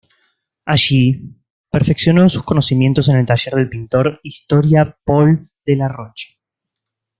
Allí perfeccionó sus conocimientos en el taller del pintor historia Paul Delaroche.